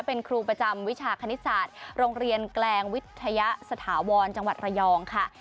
เป็นครูประจำวิชาคณิตศาสตร์โรงเรียนแกลงวิทยาสถาวรจังหวัดระยองค่ะ